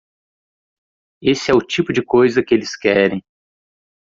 Esse é o tipo de coisa que eles querem.